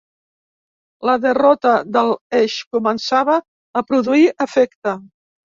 La derrota de l'Eix començava a produir efecte.